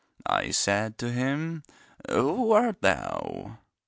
I said to him: 'Who art thou?'